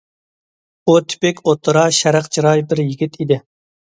ئۇ تىپىك ئوتتۇرا شەرق چىراي بىر يىگىت ئىدى.